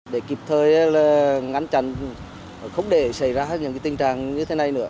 để kịp thời ngăn chặn không để xảy ra những tình trạng như thế này nữa